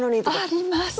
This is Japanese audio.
あります！